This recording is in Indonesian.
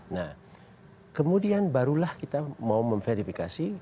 nah kemudian barulah kita mau memverifikasi